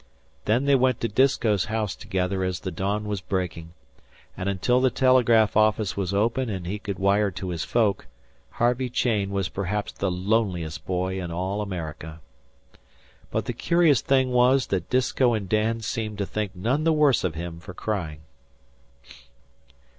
Then they went to Disko's house together as the dawn was breaking; and until the telegraph office was open and he could wire his folk, Harvey Cheyne was perhaps the loneliest boy in all America. But the curious thing was that Disko and Dan seemed to think none the worse of him for crying.